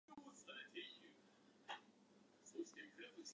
もう終わりたい